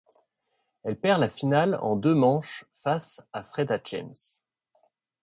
Elle perd la finale en deux manches face à Freda James.